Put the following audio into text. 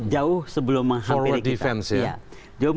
jauh sebelum menghampiri kita